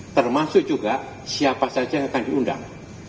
termasuk juga siapa saja yang akan diundang